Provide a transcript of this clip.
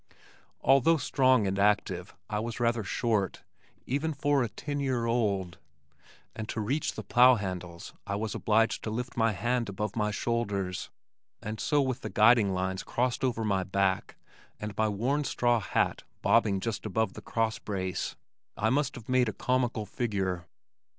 Although strong and active I was rather short, even for a ten year old, and to reach the plow handles I was obliged to lift my hands above my shoulders; and so with the guiding lines crossed over my back and my worn straw hat bobbing just above the cross brace I must have made a comical figure.